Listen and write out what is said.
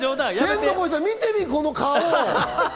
天の声さん、見てみ、この顔。